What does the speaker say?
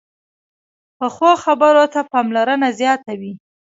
پخو خبرو ته پاملرنه زیاته وي